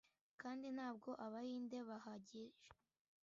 kandi ntabwo abahinde bahagije